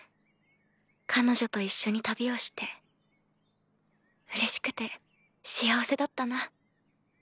彼女と一緒に旅をしてうれしくて幸せだったな。